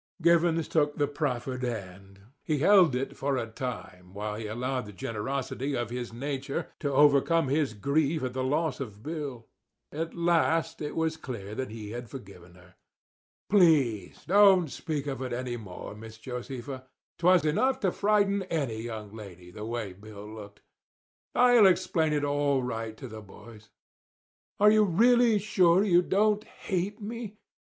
Givens took the proffered hand. He held it for a time while he allowed the generosity of his nature to overcome his grief at the loss of Bill. At last it was clear that he had forgiven her. "Please don't speak of it any more, Miss Josefa. 'Twas enough to frighten any young lady the way Bill looked. I'll explain it all right to the boys." "Are you really sure you don't hate me?"